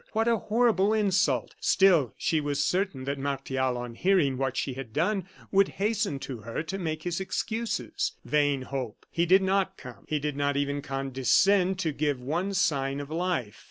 What a horrible insult! Still, she was certain that Martial, on hearing what she had done, would hasten to her to make his excuses. Vain hope! He did not come; he did not even condescend to give one sign of life.